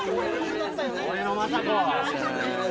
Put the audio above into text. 俺の昌子。